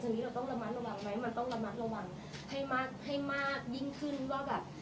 ทีนี้เราต้องระมัดระวังไหมมันต้องระมัดระวังให้มากให้มากยิ่งขึ้นว่าแบบ